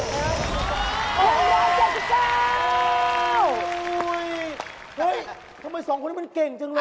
เฮ่ยทำไม๒คนนั้นเป็นเก่งจังเลย